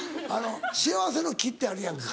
幸せの木ってあるやんか